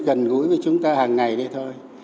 gần gũi với chúng ta hàng ngày đây thôi